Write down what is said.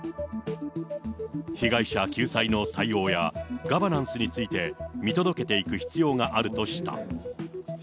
被害者救済の対応やガバナンスについて、見届けていく必要があるとした。